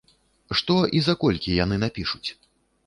Што і за колькі яны напішуць?